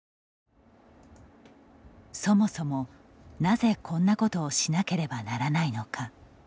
そもそも、なぜこんなことをしなければならないのか。